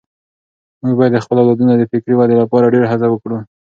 موږ باید د خپلو اولادونو د فکري ودې لپاره ډېره هڅه وکړو.